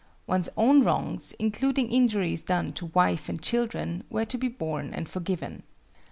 One's own wrongs, including injuries done to wife and children, were to be borne and forgiven.